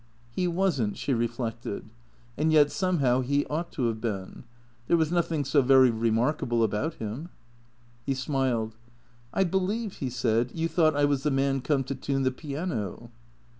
He was n't, she reflected. And yet somehow he ought to have been. There was nothing so very remarkable about him. He smiled. " I believe," he said, " you thought I was the man come to tune the piano."